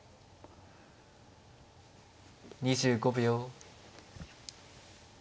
２５秒。